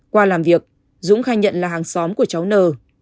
qua làm việc dũng khai nhận là hàng xóm của cháu nờ